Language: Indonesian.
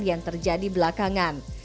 yang terjadi belakangan